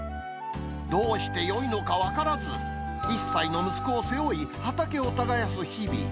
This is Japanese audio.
どうしてよいのか分からず、１歳の息子を背負い、畑を耕す日々。